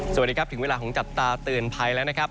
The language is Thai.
สวัสดีครับถึงเวลาของจับตาเตือนภัยแล้วนะครับ